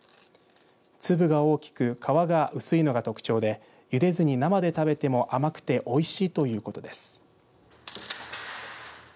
粒が大きく皮が薄いのが特徴でゆでずに生で食べても甘くておいしいということです。